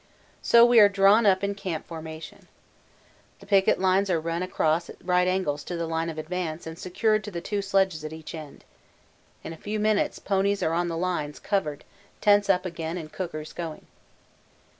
So we are drawn up in camp formation. The picket lines are run across at right angles to the line of advance and secured to the two sledges at each end. In a few minutes ponies are on the lines covered, tents up again and cookers going.